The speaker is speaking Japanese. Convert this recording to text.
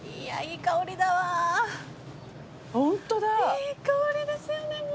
いい香りですよね。